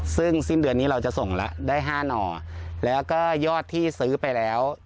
ซึ่งสิ้นเดือนนี้เราจะส่งแล้วได้๕หน่อแล้วก็ยอดที่ซื้อไปแล้ว